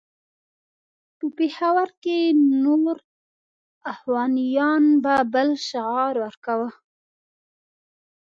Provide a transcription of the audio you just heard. په پېښور کې نور اخوانیان به بل شعار ورکاوه.